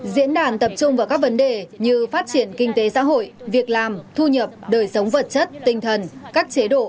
diễn đàn tập trung vào các vấn đề như phát triển kinh tế xã hội việc làm thu nhập đời sống vật chất tinh thần các chế độ